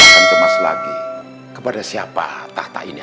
kau jangan khawatir